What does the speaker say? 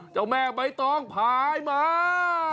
เจ้าแม่ใบตองพายมา